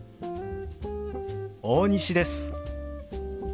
大西です。